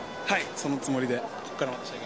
そのつもりです。